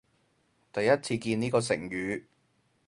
第一次見呢個成語